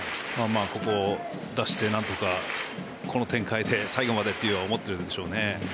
ここを出して何とかこの展開で最後までとは思っているでしょうね。